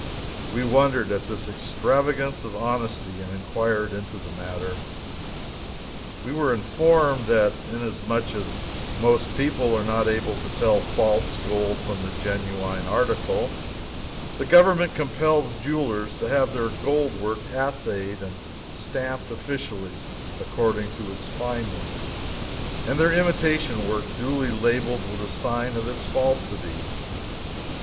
We wondered at this extravagance of honesty and inquired into the matter. We were informed that inasmuch as most people are not able to tell false gold from the genuine article, the government compels jewelers to have their gold work assayed and stamped officially according to its fineness and their imitation work duly labeled with the sign of its falsity.